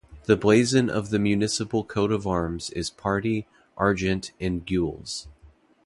The blazon of the municipal coat of arms is Party, argent and gules.